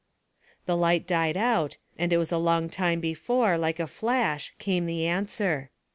The light died out, and it was a long time before, like a flash, came the answer.